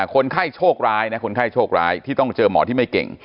คนไข้โชคร้ายนะคนไข้โชคร้ายที่ต้องเจอหมอที่ไม่เก่ง